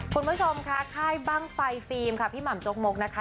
คุณผู้ชมค่ะค่ายบ้างไฟฟิล์มค่ะพี่หม่ำจกมกนะคะ